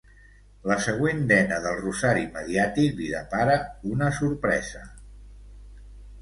La següent dena del rosari mediàtic li depara una sorpresa.